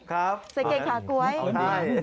ครับเอิญใส่กางเกงขาก๊วยเอิญใช่